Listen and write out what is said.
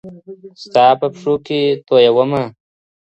ستا په پښو کي تویومه